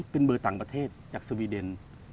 เป็นเบอร์ต่างประเทศจากสวีเดน